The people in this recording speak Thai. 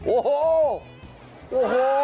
โอ้โฮ